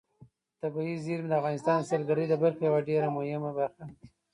طبیعي زیرمې د افغانستان د سیلګرۍ د برخې یوه ډېره مهمه برخه ګڼل کېږي.